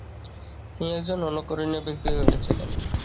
তিনি একজন অনুকরণীয় ব্যক্তি হয়ে উঠেছিলেন।